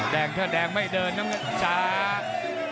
แดงเพื่อแดงไม่เดินจาก